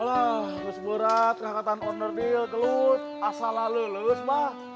alah berat berat keangkatan owner deal gelut asal lelus mah